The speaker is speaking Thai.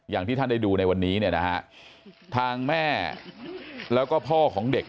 อย่างที่ท่านได้ดูในวันนี้เนี่ยนะฮะทางแม่แล้วก็พ่อของเด็ก